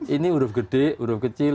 ini huruf gede huruf kecil